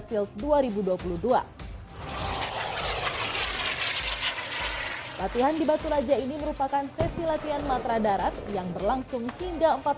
shield dua ribu dua puluh dua latihan di batulaja ini merupakan sesi latihan matradarat yang berlangsung hingga